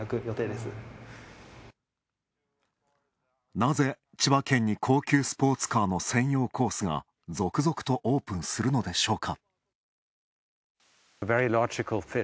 なぜ、千葉県に高級スポーツカーの専用コースが続々とオープンするのでしょうか。